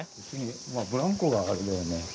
まあブランコがあれだよね。